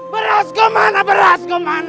beras gua mana beras gua mana